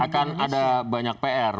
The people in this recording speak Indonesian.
akan ada banyak pr